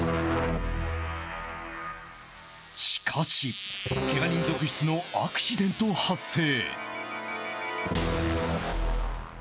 しかし、けが人続出のアクシデント発生。